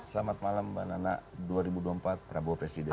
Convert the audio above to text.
selamat malam mbak nana dua ribu dua puluh empat prabowo presiden